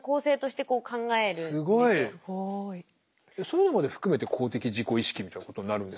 そういうのまで含めて公的自己意識みたいなことになるんですか？